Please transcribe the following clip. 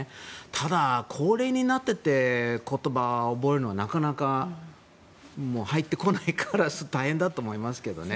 ただ、高齢になって言葉を覚えるのはなかなか入ってこないから大変だと思いますけどね。